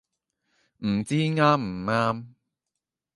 唔知啱唔啱